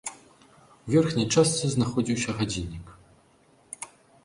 У верхняй частцы знаходзіўся гадзіннік.